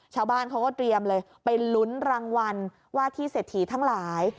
ชาวบ้านเขาก็เตรียมเลยไปลุ้นรางวัลว่าที่เศรษฐีทั้งหลาย